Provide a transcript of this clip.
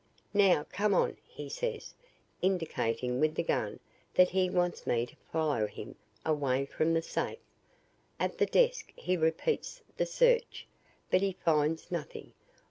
"'Now, come on!' he says, indicating with the gun that he wants me to follow him away from the safe. At the desk he repeats the search. But he finds nothing.